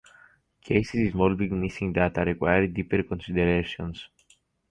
Cases involving missing data require deeper considerations.